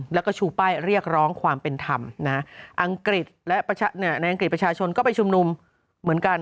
แล้วก็ชูป้ายเรียกร้องความเป็นธรรมอังกฤษและในอังกฤษประชาชนก็ไปชุมนุมเหมือนกัน